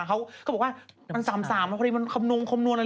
เขาก็บอกว่า๓๓แล้วพอดีมันคำนวณอะไร